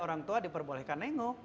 orang tua diperbolehkan nengok